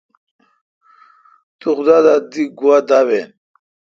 تو خدا دا دی گوا داوین۔